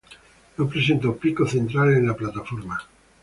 No presenta pico central en la plataforma.